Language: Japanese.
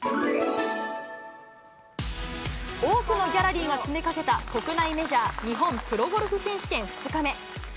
多くのギャラリーが詰めかけた国内メジャー日本プロゴルフ選手権２日目。